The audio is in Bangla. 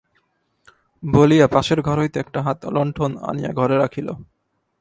বলিয়া পাশের ঘর হইতে একটা হাত-লন্ঠন আনিয়া ঘরে রাখিল।